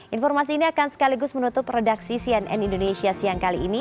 informasi ini akan sekaligus menutup redaksi cnn indonesia siang kali ini